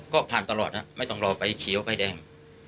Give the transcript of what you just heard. ก็ผ่านตลอดไม่ต้องรอไฟเขียวไฟแดง